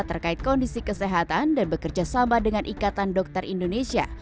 terkait kondisi kesehatan dan bekerja sama dengan ikatan dokter indonesia